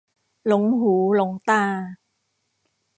หลงหูหลงตา